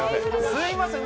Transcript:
すいません。